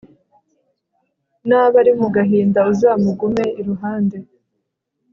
naba ari mu gahinda, uzamugume iruhande